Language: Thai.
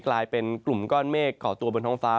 กลายเป็นกลุ่มก้อนเมฆก่อตัวบนท้องฟ้า